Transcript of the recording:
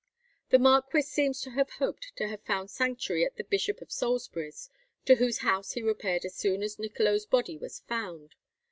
The marquis seems to have hoped to have found sanctuary at the Bishop of Salisbury's, to whose house he repaired as soon as Niccolo's body was found.